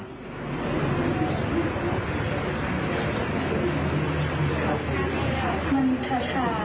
มันชา